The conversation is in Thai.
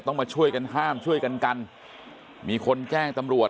มาช่วยกันห้ามช่วยกันกันมีคนแจ้งตำรวจ